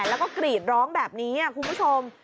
แล้วก็กรีดร้องแบบนี้คุณผู้ชม